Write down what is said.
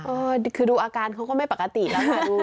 ก็คือดูอาการเขาก็ไม่ปกติแล้วนะครับ